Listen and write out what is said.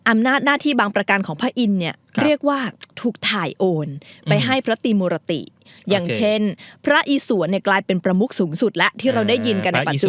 อำนาจหน้าที่บางประการของพระอินทร์เนี่ยเรียกว่าถูกถ่ายโอนไปให้พระตีมุรติอย่างเช่นพระอีสวนเนี่ยกลายเป็นประมุกสูงสุดแล้วที่เราได้ยินกันในปัจจุบัน